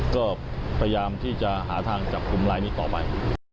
ก็พยายามที่จะหาทางจับกลุ่มลายนี้ต่อไป